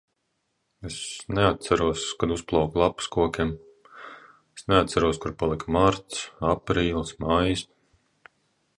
Es neatceros, kad uzplauka lapas kokiem. Es neatceros, kur palika marts, aprīlis, maijs.